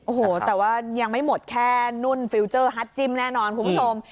โอ้โหแต่ว่ายังไม่หมดแค่นุ่นฟิลเจอร์ฮัตจิ้มแน่นอนคุณผู้ชม